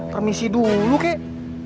permisi dulu kek